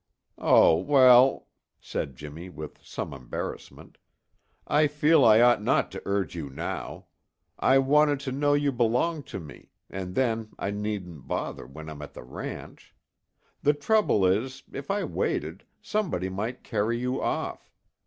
"Oh, well," said Jimmy with some embarrassment, "I feel I ought not to urge you now. I wanted to know you belonged to me, and then I needn't bother when I'm at the ranch The trouble is, if I waited, somebody might carry you off.